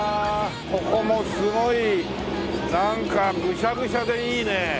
ここもすごいなんかぐしゃぐしゃでいいね。